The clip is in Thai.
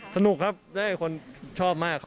สนุกครับได้คนชอบมาก